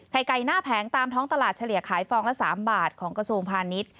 ไก่หน้าแผงตามท้องตลาดเฉลี่ยขายฟองละ๓บาทของกระทรวงพาณิชย์